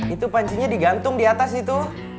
itu pancinya digantung diatas itu